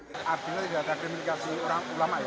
tidak ada kriminalisasi ulama ya